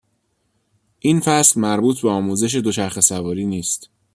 این فصل مربوط به آموزش دوچرخه سواری نیست.